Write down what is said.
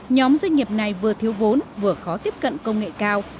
nhóm doanh nghiệp này vừa thiếu vốn vừa khó tiếp cận công nghệ cao